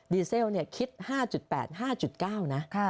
ดีเซลเนี่ยคิด๕๘๕๙นะ